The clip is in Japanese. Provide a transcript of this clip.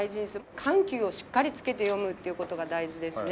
緩急をしっかりつけて読むっていう事が大事ですね。